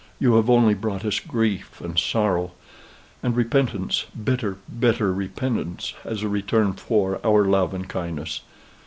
You have only brought us grief and sorrow; and repentance, bitter, bitter repentance, as a return for our love and kindness.